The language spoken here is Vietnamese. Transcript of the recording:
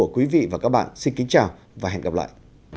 quý vị và các bạn xin kính chào và hẹn gặp lại